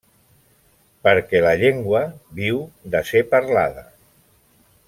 Perquè la llengua viu de ser parlada.